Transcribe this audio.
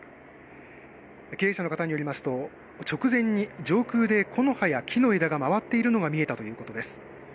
経営者の方によりますと、直前に上空で木の葉や木の枝が回っているのが見えたということです。